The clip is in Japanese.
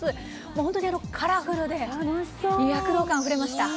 本当にカラフルで躍動感あふれました。